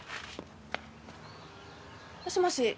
もしもし？